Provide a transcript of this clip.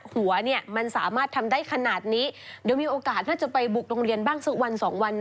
หัวเนี่ยมันสามารถทำได้ขนาดนี้เดี๋ยวมีโอกาสถ้าจะไปบุกโรงเรียนบ้างสักวันสองวันนะ